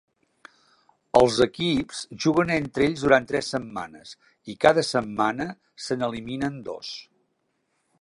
Els equips juguen entre ells durant tres setmanes, i cada setmana se n'eliminen dos.